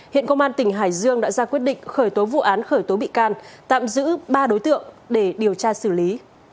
hiện công an tỉnh hải dương đã ra quyết định khởi tố vụ án khởi tố bị can tạm giữ ba đối tượng để điều tra xử lý